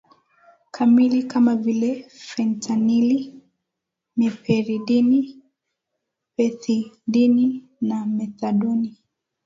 kamili kama vile fentanili meperidini pethidini na methadoni